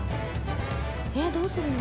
えっどうするの？